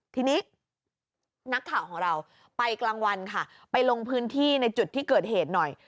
ทีนี้นักข่าวของเราไปกลางวันค่ะไปลงพื้นที่ในจุดที่เกิดเหตุหน่อย